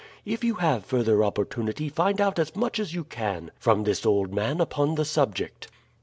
If you have further opportunity find out as much as you can from this old man upon the subject.